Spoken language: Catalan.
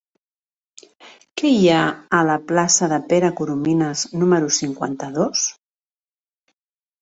Què hi ha a la plaça de Pere Coromines número cinquanta-dos?